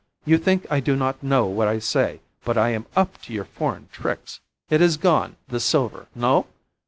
you think I do not know what I say; but I am up to your foreign tricks. It is gone, the silver! No?